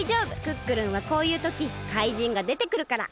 クックルンはこういうときかいじんがでてくるから。